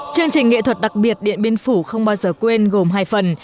chương trình nghệ thuật đặc biệt điện biên phủ không bao giờ quên gồm hai phần